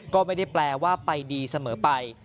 ก็ไม่ได้แปลว่าไปดีเสมอไป